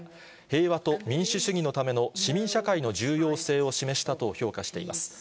平和と民主主義のための市民社会の重要性を示したと評価しています。